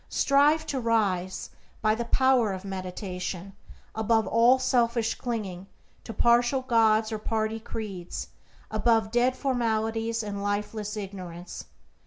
Strive to rise, by the power of meditation, above all selfish clinging to partial gods or party creeds; above dead formalities and lifeless ignorance.